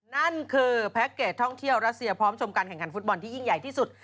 นั่นคือแพ็คเกจท่องเที่ยวรัสเซียพร้อมชมการแข่งขันฟุตบอลที่ยิ่งใหญ่ที่สุด